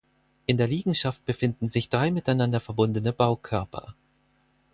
In der Liegenschaft befinden sich drei miteinander verbundene Baukörper.